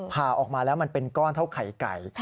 ผ่าออกมาแล้วมันเป็นก้อนเท่าไข่ไก่